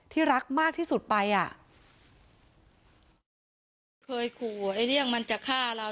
รักมากที่สุดไปอ่ะเคยขู่ไอ้เรื่องมันจะฆ่าเรา